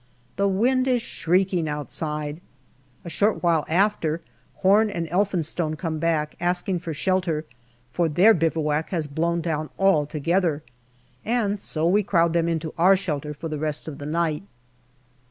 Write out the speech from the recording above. The wind is shrieking outside. A short while after, Home and Elphinstone come back, asking for shelter, for their NOVEMBER 269 bivouac has blown down altogether, and so we crowd them in our shelter for the rest of the night.